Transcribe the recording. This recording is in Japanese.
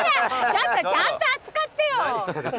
ちょっとちゃんと扱ってよ。